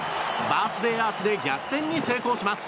バースデーアーチで逆転に成功します。